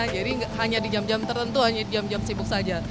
jadi hanya di jam jam tertentu hanya di jam jam sibuk saja